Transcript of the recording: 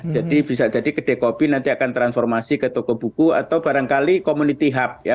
jadi bisa jadi kedekopi nanti akan transformasi ke toko buku atau barangkali community hub ya